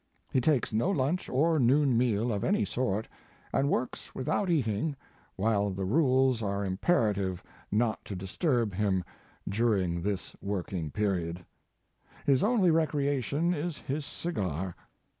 He takes no lunch or noon meal of any sort, and works without eating, while the rules are imperative not to disturb him during this working period. His only recreation is his cigar."